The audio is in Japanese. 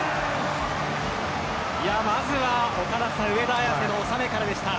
まずは岡田さん上田綺世の収めからでした。